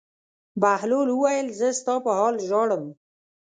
بهلول وویل: زه ستا په حال ژاړم.